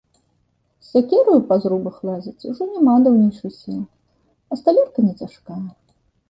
З сякераю па зрубах лазіць ужо няма даўнейшай сілы, а сталярка не цяжкая.